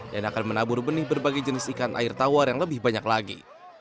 dan akan menabur benih berbagai jenis ikan air tawar yang lebih banyak lagi